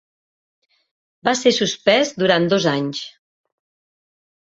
Va ser suspès durant dos anys.